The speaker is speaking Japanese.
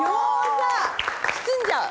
包んじゃう。